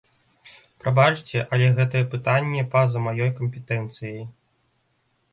Прабачце, але гэтае пытанне па-за маёй кампетэнцыяй.